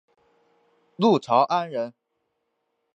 陆朝安人。